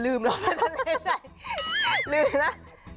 เออลืมแล้ว